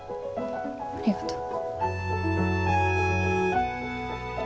ありがとう。